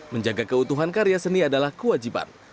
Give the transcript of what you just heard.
menjaga keutuhan karya seni adalah kewajiban